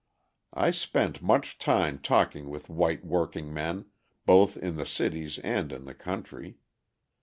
I spent much time talking with white workingmen, both in the cities and in the country.